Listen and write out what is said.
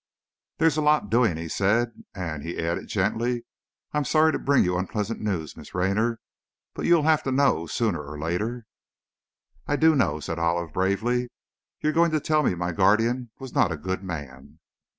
"There's a lot doing," he said, "and," he added, gently, "I'm sorry to bring you unpleasant news, Miss Raynor, but you'll have to know sooner or later " "I do know," said Olive, bravely; "you're going to tell me my guardian was was not a good man."